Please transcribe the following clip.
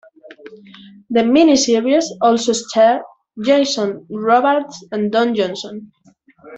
The miniseries also starred Jason Robards and Don Johnson.